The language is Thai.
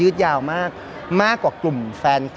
ออกให้แบ่ง